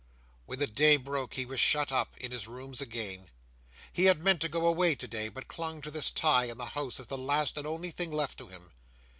When the day broke he was shut up in his rooms again. He had meant to go away today, but clung to this tie in the house as the last and only thing left to him.